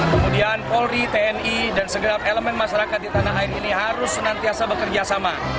kemudian polri tni dan segala elemen masyarakat di tanah air ini harus senantiasa bekerjasama